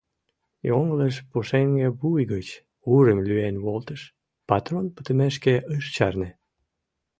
Йоҥылыш пушеҥге вуй гыч урым лӱен волтыш, патрон пытымешке ыш чарне.